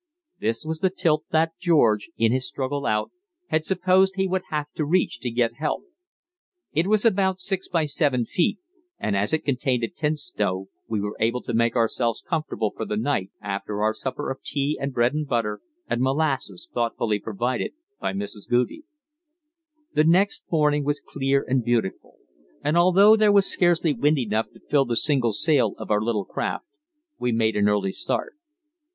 This was the tilt that George, in his struggle out, had supposed he would have to reach to get help. It was about six by seven feet, and as it contained a tent stove we were able to make ourselves comfortable for the night after our supper of tea and bread and butter and molasses thoughtfully provided by Mrs. Goudie. The next morning was clear and beautiful, and although there was scarcely wind enough to fill the single sail of our little craft, we made an early start.